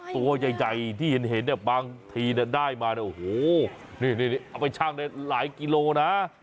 ตัวใหญ่ที่เห็นเนี่ยบางทีได้มาเนี่ยโอ้โหนี่เอาไปชั่งได้หลายกิโลนะ